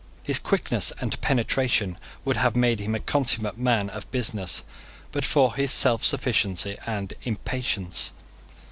His quickness and penetration would have made him a consummate man of business but for his selfsufficiency and impatience.